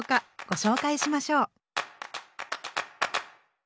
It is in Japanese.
ご紹介しましょう。